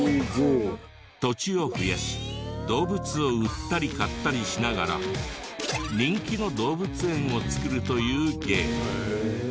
土地を増やし動物を売ったり買ったりしながら人気の動物園を作るというゲーム。